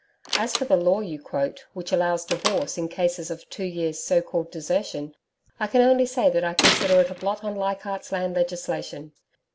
As for the law you quote which allows divorce in cases of two years' so called desertion, I can only say that I consider it a blot on Leichardt's Land legislation.